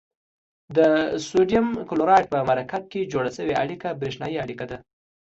د سوډیم کلورایډ په مرکب کې جوړه شوې اړیکه بریښنايي اړیکه ده.